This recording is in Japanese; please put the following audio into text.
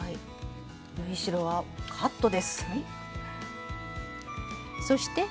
縫い代はカットです。